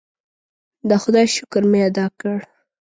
د خدای شکر مې ادا کړ.